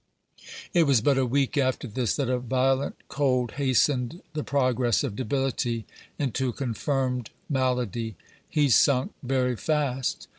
It was but a week after this that a violent cold hastened the progress of debility into a confirmed malady. He sunk very fast.